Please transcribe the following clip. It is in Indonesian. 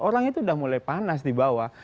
orang itu udah mulai panas di bawah